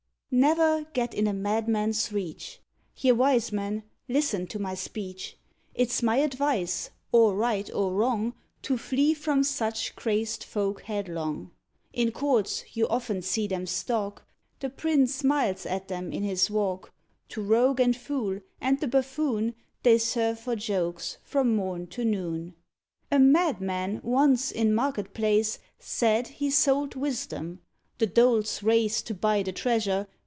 Never get in a Madman's reach: Ye wise men, listen to my speech. It's my advice or right or wrong To flee from such crazed folk headlong; In courts you often see them stalk, The prince smiles at them in his walk; To rogue and fool, and the buffoon, They serve for jokes from morn to noon. A Madman once, in market place, Said he sold Wisdom. The dolts race To buy the treasure.